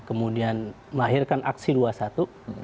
dan kemudian melahirkan aksi dua satu